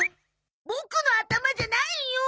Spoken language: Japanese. ボクの頭じゃないよ！